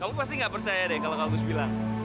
kamu pasti gak percaya deh kalau kau terus bilang